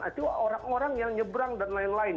itu orang orang yang nyebrang dan lain lain